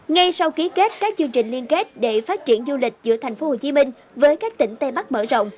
ngay sau ký kết các chương trình liên kết để phát triển du lịch giữa tp hcm với các tỉnh tây bắc mở rộng